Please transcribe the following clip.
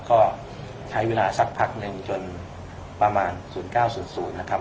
ก็ใช้เวลาสักพักนึงจนประมาณสูงเก้าสุดสูดนะครับ